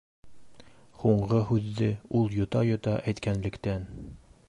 —Һуңғы һүҙҙе ул йота-йота әйткәнлектән